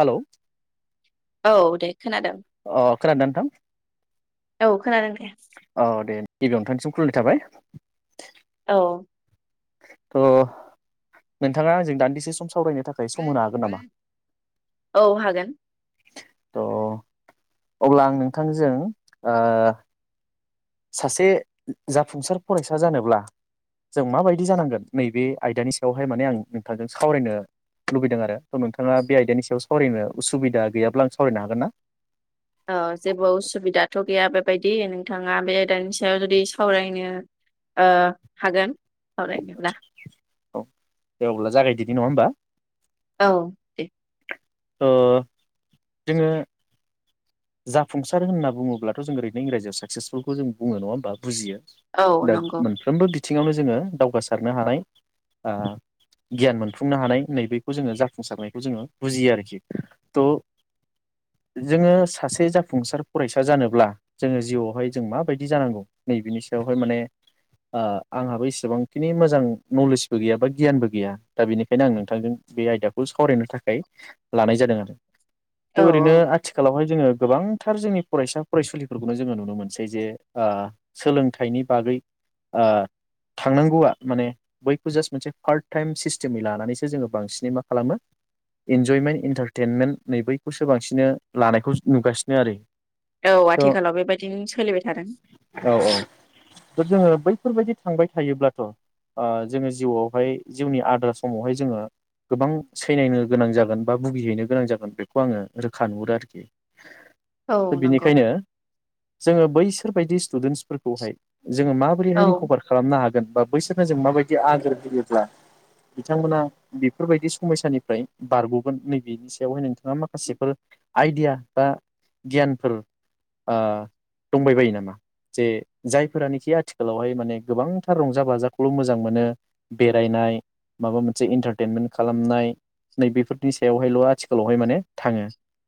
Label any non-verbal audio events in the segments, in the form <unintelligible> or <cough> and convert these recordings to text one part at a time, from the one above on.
हेल' औ दे खोनादों अ खोनादों नोंथां औ खोनादों दे औ दे गिबियाव नोंथांनिसिम खुुलुमनाय थाबाय औ थ' नोंथाङा आंजों दान्दिसे सम सावरायनो थाखाय सम होनो हागोन नामा औ हागोन थ' अब्ला आं नोंथांजों ओ सासे जाफुंसार फरायसा जानोब्ला जों माबायदि जानांगोन नैबे आयदानि सायावहाय माने आं नोंथांजों सावरायनो लुबैदों आरो थ' नोंथाङा बे आयदानि सायाव सावरायनो उसुबिदा गैयाब्ला आं सावरायनो हागोन ना? ओ जेबो उसुबिदाथ' गैया बेबायदि नोंथाङा बे आयदानि सायाव जुदि सावरायनो ओ हागोन। सावरायनोब्ला औ अब्ला जागायदिनि नि नङा होमबा औ दे ओ जोङो जाफुंसार होनना बुङोलाथ' जों ओरैनो इंराजियाव साक्सेसफुलखौ जोंङो नङा होनबा बुजियो। औ दा नंगौ मोनफ्रोमबो बि बिथिङावनो जोङो दावगासारनो हानाय गियान मोनफुंनो हानाय नैबेखौ जोङो जाफुंसारनायखौ जोङो बुजियो आरोखि थ' जोङो सासे जाफुंसार फरायसा जानोब्ला जोङो जिउआवहाय जों माबायदि जानांगौ नैबेनि सायावहाय माने आंहाबो एसेबांखिनि मोजां नलेजबो गैया बा गियानबो गैया दा बेनिखायनो आं नोंथांजों बे आयदाखौ सावरायनो थाखाय लानाय जादों आरो थ' औ ओरैनो आथिखालावहाय जोङो गोबांथार जोंनि फरायसा फरायसुलिफोरखौनो जोङो नुनो मोनसै जे सोलोंथाइनि बागै थांनांगौआ माने बैखौ जास्ट मोनसे पार्ट टाइम सिस्टेमै लानानैसो जोङो बांसिनै मा खालामो इन्जयमेन्ट इन्टारटइमेन्ट नै बैखौसो बांसिनै लानायखौ नुगासिनो आरो औ थ' आथिखालाव बेबायदिनो सोलिबाय थादों दा जोङो बैफोरबायदि थांबाय थायोब्लाथ' जोङो जिउआवहाय जिउनि आद्रा समावहाय जोङो गोबां सैनायनो गोनां जागोन बा भुगिहैनो गोनां जागोन बेखौ आङो रोखा नुहुरो आरोखि औ नंगौ बेनिखायनो जोङो बै बिसोरबायायदि स्टुडेन्टसफोरखौहाय जोङो औ माबोरैहाय रिकभार खालामनो हागोन बा बैसोरनो जों माबायदि आगोर बयोब्ला बिथांमोना बेफोरबायदि समयसानिफ्राय बारग'गोन नैबेनि सायावहाय नोंथाङा माखासेफोर आइडिया बा गियानफोर आ दंबाय बायो नामा जे जायफोरानोखि आथिखालावहाय माने गोबांथार रंजा बाजाखौल' मोजां मोनो बेरायनाय माबा मोनसे इन्टारटेनमेन्ट खालामनाय नैबेफोरनि सायावहायल' आथिखालावहाय माने थाङो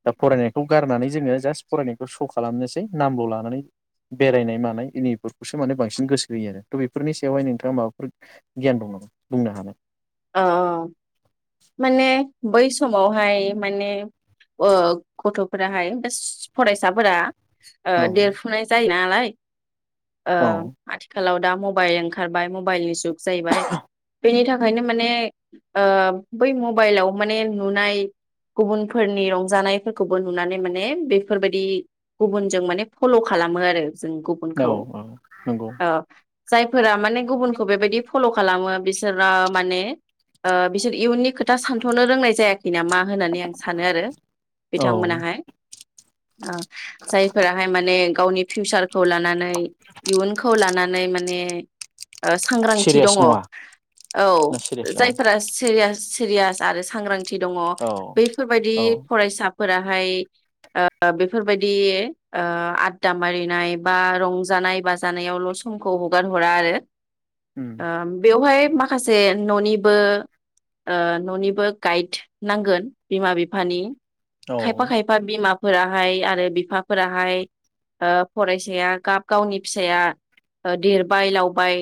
दा फरायनाय खौ गारनानै जोङो जास्ट फरायनायखौ श' खालामनोसै नामबाव लानानै बेरायनाय मानाय इनिफोरखौसो माने बांसिन गोसो होयो आरो थ' बेफोरनि सायावहाय नोंथाङा माबाफोर गियान दं नामा बुंनो हानाय आ माने बै समावहाय माने गथ'फोराहाय फरायसाफोरा आ औ देरफुनाय जायोना लाय ओ औ आथिखालाव दा मबाइल ओंखारबाय मबाइलनि जुग जाहैबाय बेनि था खायनो माने आ बै मबाइलाव माने नु जों औ गुबुनखौ औ नंगौ ओ जायफोरा माने गुबुनखौ बेबायदि फल' खालामो बिसोरा माने ओह बिसोर इयुननि खोथा सानथ'नो रोंनाय जाया इना मा होनाने सानो आरो औ बिथांमोनाहाय ओ जायफोराहाय माने गावनि फिउसारखौ लानानै इयुनखौ लानानै माने ओ सांग्रांथि सिरियास दङ। नङा ना औ सिरियास औ जायफोरा सिरियास सिरियास आरो सांग्रां थि दङ औ बैफोरबायदि औ फरायसा फोराहाय ओ बेफोरबायदि ओ आददा मारिनाय बा रंजानाय बाजानायावल' समखौ हगार हरा आरो। उम ओ बेवहाय। खासे न'निबो ओ न'निबो गायद नांगोन बिमा बिफानि। औ खायफा-खायफा बिमा। फोराहाय आरो बिफाफोराहाय ओह फरायसाया गाब गावनि फिसाया देरबाय लाउबाय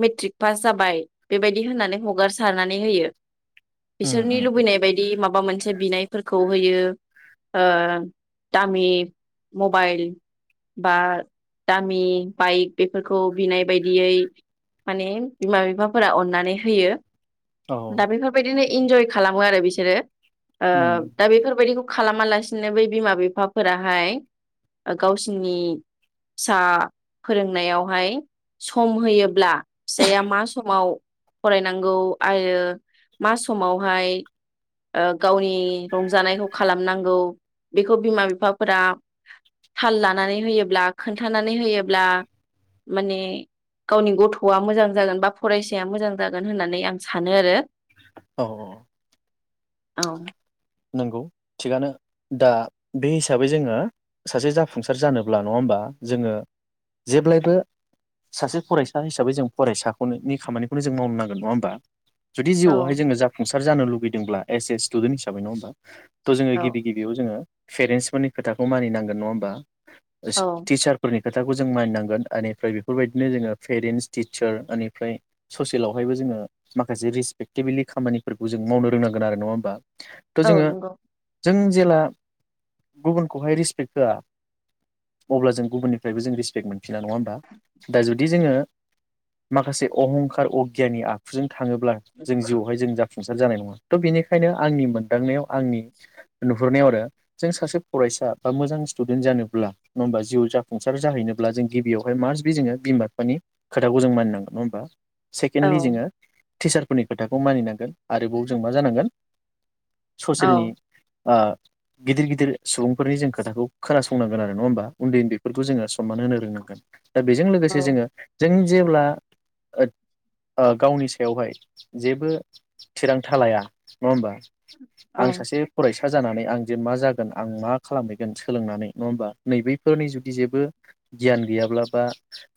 मेट्रिक पास जाबाय। बेबायदि होननानै हगारसारनानै होयो। उम बिसोरनि उम लुबैनाय बायदि माबा मोनसे बिनायफोरखौ खौ होयो ओह दामि मबाइल बा दामि बाइक बेफोरखौ फोरखौ बिनाय बायदियै। माने बिमा बिफा फोरा अननानै होयो। औ दा बेफोरबायदिनो इन्जय खालामो आरो बिसोरो। ओह उम दा बेफोरबायदिखौ खालामालासिनो बै बिमा बिफाफोराहाय गावसिनि फिसा फोरोंनायावहाय सम होयोब्ला फिसाया मा स समाव फरायनांगौ आरो मा समावहाय ओ गावनि रंजानायखौ खालामनांगौ बेखौ बिमा बिफाफोरा थाल लानानै होयोब्ला खोन्थानानै होयोब्ला माने गावनि गथ'आ मोजां जागोन बा फरायसाया मोजां जागोन होननानै आं सानो आरो। औ औ औ। औ। नंगौ थिगानो दा बे हिसाबै जोङो सासे जाफुंसार जानोब्ला नङा ओमबा जोङो जेब्लायबो सासे फरायसा हिसाबै जों फरायसाखौनि खामानिखौनो जों मावनो नांगोन नङा ओमबा। जुदि औ जिउआवहाय जोङो जाफुंसा सार जानो लुुबैदोंब्ला। एइस ए स्तुडेन हिसाबै नङा होमबा। त जोङो औ गिबि गिबियाव जोङो। फेरेन्सफोरनि खोथाखौ मानिनांगोन नङा होमबा। ओस औ टिचारफोरनि खोथाखौ जों मानिनांगोन ओनिफ्राय बेफोरबायदिनो जोङो पेरेन्टस टिचार ओनिफ्राय ससेलावहायबो जोङो माखासे रिसपटेबिलि खामानिफोरखौ जों मावनो रोंनां गोन नङा होनबा। औ नंगौ। जों जेला गुबुनखौहाय रिसपेक्ट होआ अब्ला जों गुबुननिफ्रायबो जों रिसपेक्ट मोनफिना नङा होमबा। दा जुदि जोङो माखासे अहंखार अगियानि आखुजों थाङोब्ला जों जिउआवहाय जों जाफुं फुंसार जानाय नङा। थ' बेनिखायनो आंनि मोनदांनायाव आंनि नुहुरनायाव आरो जों सासे फरायसा बा मोजां स्टुडेन्ट जानोब्ला नङा होनबा जिउ जाफुंसार जाहैनोब्ला जों गिबियावहाय मास बबि जोङो बिमा बिफानि खोथाखौ जों मानिनांगोन नङा होमबा। औ सेकेण्डलि जोङो टिचारफोरनि खोथाखौ मानिनांगोन आरो जों मा जानांगोन औ ससियेलनि ओ गिदिर गिदिर सुबुंफोरनि जों खोथाखौ खोनासंनांगोन आरो नङा होमबा उन्दै उन्दैफोरखौ जोङो सनमान होनो रोंनांगोन दा बेजों औ लोगोसे जोङो जोंनि जेब्ला ओ ओ गावनि सायावहाय जेबो थिरां थां लाया नङा होमबा आं औ सासे फरायसा फरायसा जानानै आं जे मा जागोन आं मा खालामहैगोन सोलोंनानै नङा होमबा नैबेफोरनि जुदि जेबो गियान गैयाब्ला बा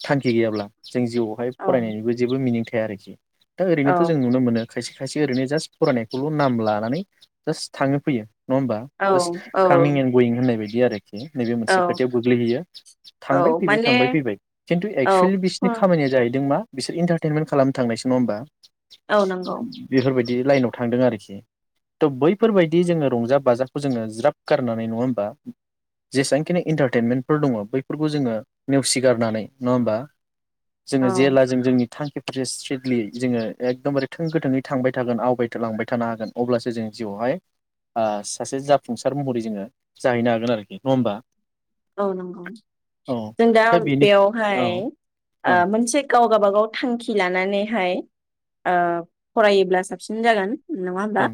थांखि गैयाब्ला जों जिउआवहाय औ फरायनायनिबो जेबो मिनिं था <unintelligible> आरोखि दा औ ओरैनोथ'जों नुनो मोनो खायसे खायसे ओरैनो जास्ट फरायनायखौल' नाम लानानै जास्ट थाङो फैयो नङा होनबा औ जास औ कामिं एणड गयिं होननाय बायदि बिदि आरो नैबे औ मोनसे खोथायाव गोग्लैहैयो औ थांबाय फैबाय माने थांबाय फैबाय खिन्थु औ एक्सुेलि बिसोरनि खामानिया जाहैदों मा बिसोर इन्टारटेनमेन्ट खालाम थांनायसो नङा होनबा? औ नंगौ <inaudible> बेफोरबायदि बे लाइनाव थांदों आरोखि थ' बैफोरबायदि जोङो रंजा बाजाखौ जोङो ज्राब गारनानै नङा होमबा जेसेबांखिनि इन्टारटेनमेन्टफोर दङ बैफोरखौ जोङो नेवसिगारनानै नङा होमबा औ जोङो जेला जों जोंनि थांख <unintelligible> जोङो एकदमबारे थों गोथोङै थांबाय था थागोन आवगाय लांबाय थानो हागोन अब्लासो जों जिउआवहाय ओ सासे जाफुंसार महरै जोङो जाहैनो हागोन आरोखि नङा होमबा औ नंगौ औ जों दा बेयावहाय औ ओ ओं मोनसे गाव बा गाव थांखि लानानैहाय ओ फरायोब्ला साबसिन जागोन नङा होमबा ओं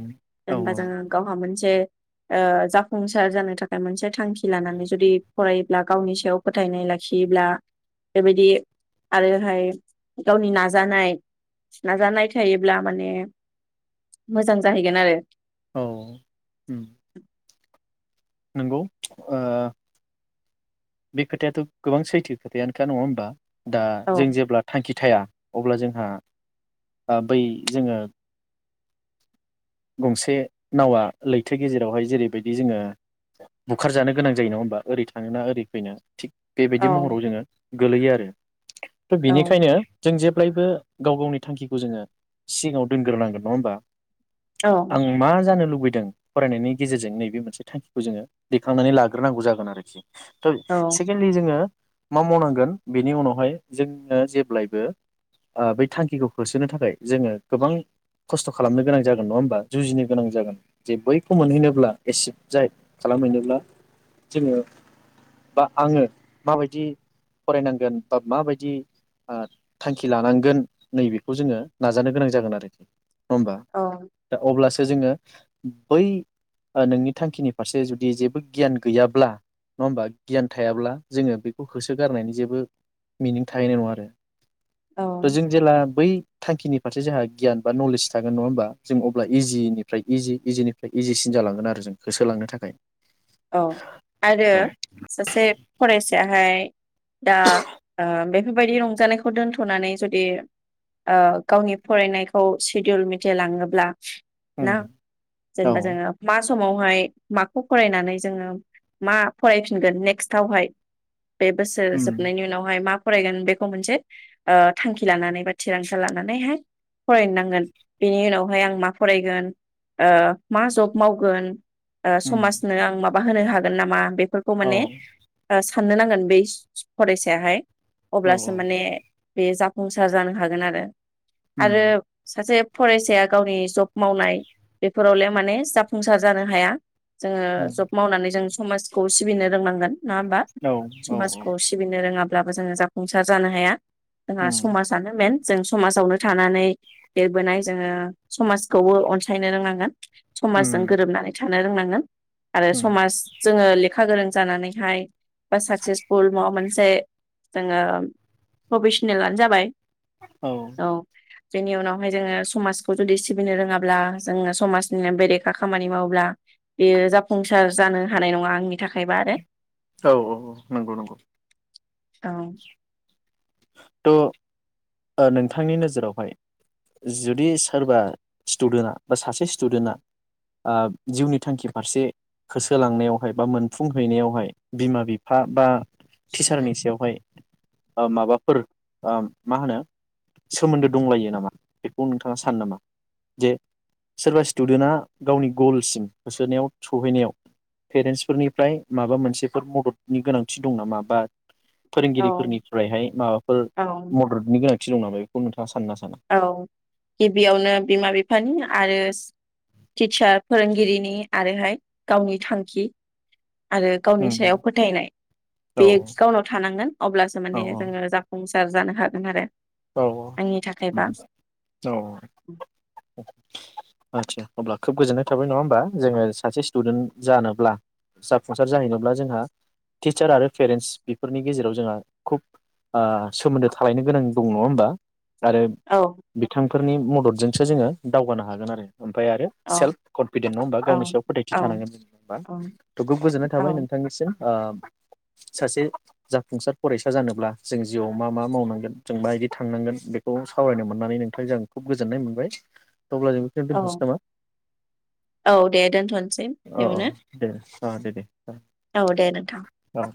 औ जेनबा जोङो गावहा मोनसे ओ जाफुंसार जानो थाखाय मोनसे थांखि लानानै जुदि फरायोब्ला गावनि सायाव फोथायनाय लाखियोब्ला बेबायदि आरोहाय गावनि नाजानाय नाजानाय थायोब्ला माने मोजां जाहैगोन आरो औ उम नंगौ ओ बे खोथायाथ' गोबां सैथो खोथायानोखा नङा होमबा? दा औ जों जेब्ला थांखि थाया अब्ला जोंहा बा बै जोङो गंसे नावा लैथो गेजेरावहाय जेरैबायदि जोङो बुखारजानो गोनां जायो नङा होनोमबा ओरै थाङोना ओरै फैनो थिग औ बेबायदि महराव जोङो गोलैयो आरो थ' औ बिनिखायनो जों जे जेब्लायबो गाव-गावनि थांखिखौ जोङो सिगाङाव दोनग्रोनांगोन नङा होमबा? औ आं मा जानो लु लुबैदों फरायनायनि गेजेरजों नैबे मोनसे थांखिखौ जोङो दैखांनानै लाग्रोनांगौ जागोन आरोखि। थ' सेकेणडलि जोङो मा मावनांगोन बेनि उनावहाय जोङो जेब्लायबो ओ बै थांखिखौ होसोनो थाखाय जोङो गोबां खस्थ' खालामनो गोनां जागोन नङा होमबा जुजिनो गोनां जागोन जे बैखौ मोनहैनोब्ला एसिभ जाय खालामहैनोब्ला जोङो बा आङो माबायदि फरायनांगोन बा माबायदि ओ थांखि लानांगोन नैबेखौ जोङो नाजानो गोनां जागोन आरोखि। होमबा औ दा अब्लासो जोङो बै ओ नोंनि थांखिनि फारसे जुदि जेबो गियान गैयाब्ला नङा होमबा गियान थायाब्ला जोङो बेखौ होसोगारनायनि जेबो मिनिं थाहैनाय नङा आरो। औ जों जेला बै थांखिनि फारसे जोंहा गियान बा नलेज थागोन नङा होमबा। जों अब्ला इजिनिफ्राय इजि इजिनिफ्राय इजिसिन जालांगोन आरो जों होसोलांनो थाखाय। औ आरो औ सासे फरायसा बेहाय दा ओ बेफोरबायदि रंजानायखौ दोन्थ'नानै जुदि ओ गावनि फरायनायखौ सिडउल मिथिलाङोब्ला ना औ जेनेबा जोङो मा समावहाय माखौ फरायनानै जोङो मा फरायफिनगोन नेक्स्टावहाय बे बोसोर औ जोबनायनि उनावहाय मा फरायगोन बेखौ मोनसे ओ थांखि लानानै बा थिरांथा लानानैहाय फराय नांगोन बिनि उनावहाय आं मा फरायगोन ओ मा जब मावगोन। ओ समाजनो आं मा बा होनो हागोन नामा बे बेफोरखौ औ माने गा साननो नांगोन बै फरायसायाहाय। अब्लासो माने बे जा संसार जानो हागोन आरो आरो सासे फरायसाया गावनि जब मावनाय बेफोरावलाय माने जाफुंसार जानो हाया। जोङो जब मावनानै जों समाजखौ सिबिनो रोंनांगोन। नङा होमबा औ समाजखौ सिबिनो रोङाब्ला अब्लाबो जोङो जाफुंसार जानो हाया। जोंहा समाजानो मेन। जों समाजावनो थानानै देरबोनाय जोङो समाजखौबो अनसायनो रोंनांगोन। समाजजों गोरोबनानै था। नो रोंनांगोन। आरो समाज जोङो ले खा गोरों जानानैहाय बा साक्सेसफुल माबा मोन से जोङो प्रफेसनेलानो जाबाय औ बेनि उनावहाय जोङो समाजखौ जुदि सिबिनो रोङाब्ला जोङो समाजनिनो बेरेखा खामानि मावोब्ला बेयो जा संसार जानो हानाय नङा आंनि थाखायबा आरो औ औ औ नंगौ नंगौ। औ थ' नोंथांनि नोजोरावहाय जुदि सोरबा स्टुदेन्टआ बा सासे स्टुदेन्टआ ओ जिउनि थांखि फारसे होसोलांनायावहाय बा मोनफुंहैनायावहाय बिमा बिफा बा टिचारनि सायावहाय ओ माबाफोर ओ मा होनो? सोमोन्दो दंलायो नामा बेखौ नोंथाङा सानो नामा जे सोरबा स्टुडेन्टआ गावनि गलसिम होसोनायाव सहैनायाव पेरेन्टसफोरनिफ्राय माबा मोनसेफोर मददनि गोनांथि दं नामा बा औ फोरोंगिरिफोरनिफ्रायहाय माबाफोर औ मददनि गोनां थि दं नामा बेखौ नोंथाङा सानो ना साना? औ गिबियावनो बिमा बिफानि आरो टिचार फोरोंगिरिनि आरोहाय गावनि थांखि आरो गावनि सायाव फोथायनाय औ बे गावनाव थानांगोन अब्लासो माने जोङो जाफुंसार सार जानो हागोन आरो। औ आंनि थाखायबा औ औ आतसा अब्ला खोब गोजोननाय थाबाय नङा होमबा जोङो सासे स्टुडेन्ट जानोब्ला जाफुंसार जाहैनोब्ला जोंहा टिचार आरो पेरेन्टस बेफोरनि गेजेराव जोंहा खोब ओ सोमोन्दो थालायनो गोनां दं नङा होमबा? आरो औ बिथां फोरनि मददजोंसो जोङो दावगानो हागोन आरो। ओमफाय आरो औ सेल्फ कनफिदेन्ट नङा होमबा औ गावनि सायाव फोथायथि थानांगोन थ औ खोब‌ गोजोननाय थाबाय औ नोंथांनिसिम। ओ सासे जाफुंसार फरायसा जानोब्ला जों जिउआव मा मा मावनांगोन? जों मा बायदि थांनांगोन बेखौ सावरायनो मोननानै नोंथांजों आ खुब गोजोननाय मोनबाय। अब्ला जों बेखौनो औ दोनथ'नोसै नामा औ दे दोनथ'नोसै औ औ बेयावनो दे। अ दे दे औ दे नोंथां। औ